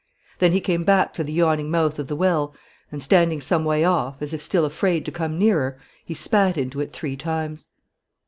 Then he came back to the yawning mouth of the well and, standing some way off, as if still afraid to come nearer, he spat into it three times.